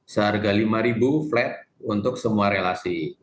seharga rp lima flat untuk semua relasi